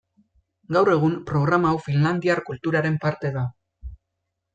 Gaur egun, programa hau Finlandiar kulturaren parte da.